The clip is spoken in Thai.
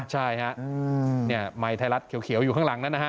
ใช่ครับมัยไทรัศน์เขียวอยู่ข้างหลังนั้นนะฮะ